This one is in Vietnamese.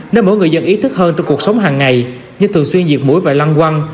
nên mỗi người dân ý thức hơn trong cuộc sống hàng ngày như thường xuyên diệt mũi và lăng quăng